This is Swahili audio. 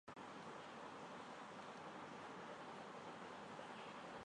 Wakati historia moja ikihoji kuwa je Kinjekitile alikuwa shujaa au mshirikina